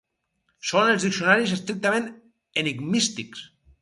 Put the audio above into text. Són els diccionaris estrictament enigmístics.